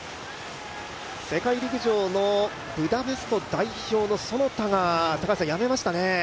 世界陸上のブダペスト代表の其田がやめましたね。